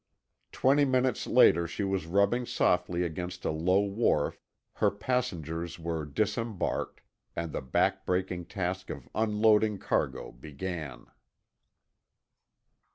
Twenty minutes later she was rubbing softly against a low wharf, her passengers were disembarked, and the back breaking task of unloading cargo began.